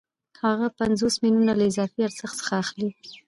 هغه پنځوس میلیونه له اضافي ارزښت څخه اخلي